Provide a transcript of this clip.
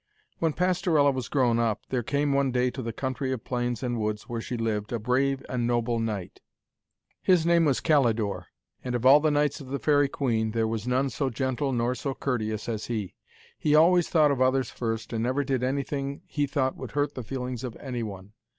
When Pastorella was grown up, there came one day to the country of plains and woods where she lived a brave and noble knight. His name was Calidore, and of all the knights of the Faerie Queen there was none so gentle nor so courteous as he. He always thought of others first, and never did anything that he thought would hurt the feelings of any one.